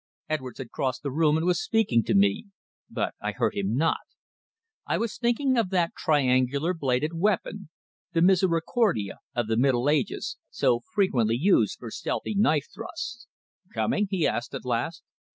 Edwards had crossed the room and was speaking to me. But I heard him not. I was thinking of that triangular bladed weapon the "misericordia" of the middle ages so frequently used for stealthy knife thrusts. "Coming?" he asked at last.